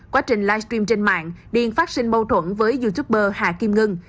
quá trình livestream trên mạng điền phát sinh mâu thuẫn với youtuber hà kim ngân